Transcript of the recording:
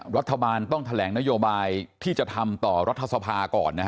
รัฐบาลต้องแถลงนโยบายที่จะทำต่อรัฐสภาก่อน